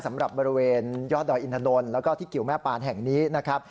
สำหรับบริเวณยอดดอยอินถนนแล้วก็ที่กิวแม่ปานแห่งนี้นะครับ